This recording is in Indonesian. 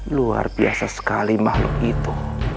luar biasa sekali makhluk itu